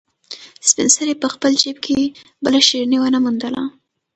سپین سرې په خپل جېب کې بله شيرني ونه موندله.